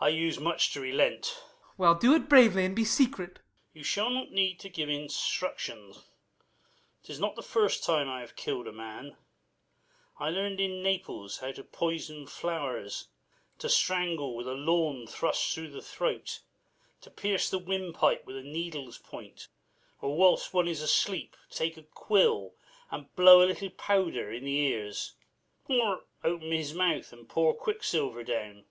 I use much to relent. Y. Mor. Well, do it bravely, and be secret. Light. You shall not need to give instructions; 'Tis not the first time I have kill'd a man: I learn'd in Naples how to poison flowers; To strangle with a lawn thrust down the throat; To pierce the wind pipe with a needle's point; Or, whilst one is asleep, to take a quill, And blow a little powder in his ears; Or open his mouth, and pour quick silver down.